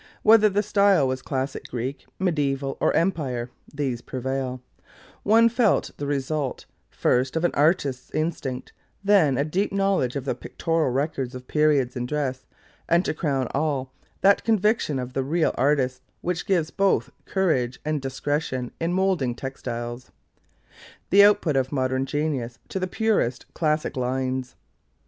Whether the style was Classic Greek, Mediæval or Empire (these prevail), one felt the result, first of an artist's instinct, then a deep knowledge of the pictorial records of periods in dress, and to crown all, that conviction of the real artist, which gives both courage and discretion in moulding textiles, the output of modern genius, to the purest classic lines.